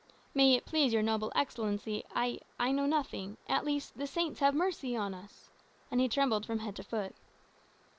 "May it please your noble Excellency, I I know nothing. At least the Saints have mercy on us!" and he trembled from head to foot.